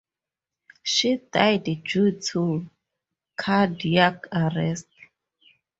She died due to cardiac arrest.